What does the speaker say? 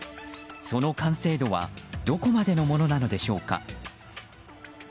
その完成度はどこまでのものなのでしょうか？